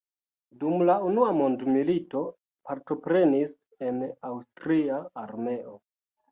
Dum la unua mondmilito partoprenis en aŭstria armeo.